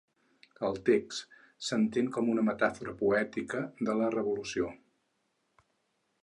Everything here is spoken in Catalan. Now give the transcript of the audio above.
El text s’entén com una metàfora poètica de la revolució.